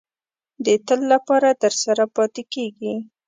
د تل لپاره درسره پاتې کېږي.